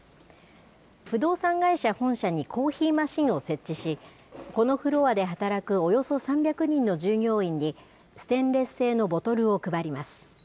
不動産会社本社にコーヒーマシンを設置し、このフロアで働くおよそ３００人の従業員に、ステンレス製のボトルを配ります。